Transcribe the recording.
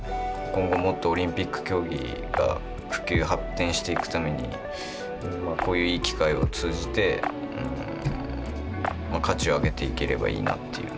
今後もっとオリンピック競技が普及、発展していくためにこういういい機会を通じて価値を上げていければいいなっていう。